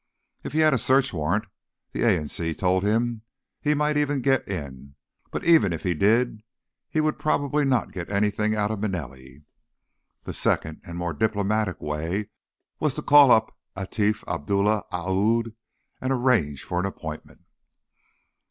If he had a search warrant, the A in C told him, he might even get in. But, even if he did, he would probably not get anything out of Manelli. The second and more diplomatic way was to call up Atif Abdullah Aoud and arrange for an appointment.